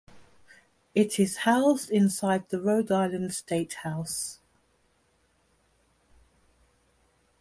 It is housed inside the Rhode Island State House.